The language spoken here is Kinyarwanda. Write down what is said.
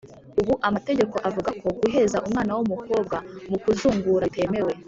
ubu amategeko avuga ko guheza umwana w’umukobwa mu kuzungura bitemewe;